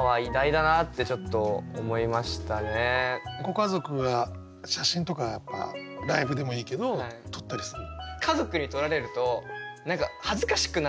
ご家族は写真とかライブでもいいけど撮ったりするの？